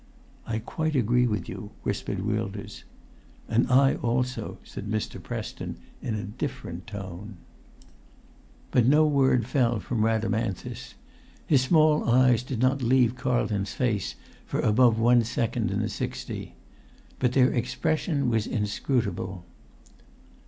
"I quite agree with you," whispered Wilders. [Pg 177]"And I also," said Mr. Preston, in a different tone. But no word fell from Rhadamanthus. His small eyes did not leave Carlton's face for above one second in the sixty. But their expression was inscrutable.